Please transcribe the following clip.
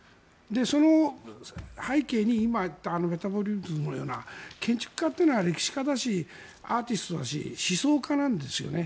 その背景に今、あったメタボリズムのような建築家っていうのは歴史家だしアーティストだし思想家なんですよね。